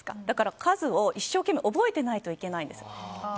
だから数を一生懸命覚えてないといけないんです。